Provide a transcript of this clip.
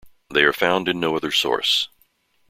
They are found in no other source.